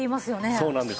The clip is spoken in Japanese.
そうなんです。